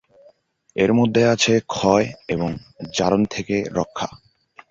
এর মধ্যে আছে ক্ষয় এবং জারণ থেকে রক্ষা।